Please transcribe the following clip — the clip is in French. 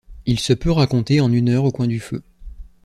Il se peut raconter en une heure au coin du feu.